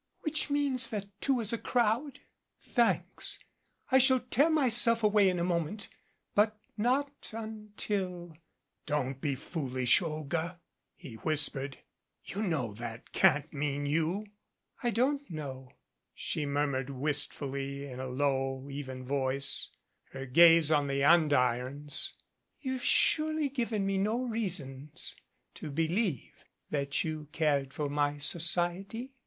"Which means that two is a crowd? Thanks. I shall tear myself away in a moment, but not until " "Don't be foolish, Olga," he whispered. "You know that can't mean you." "I don't know," she murmured wistfully in a low, even 231 MADCAP voice, her gaze on the andirons. "You've surely given me no reasons to believe that you cared for my society.